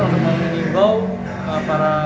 untuk menghimbau para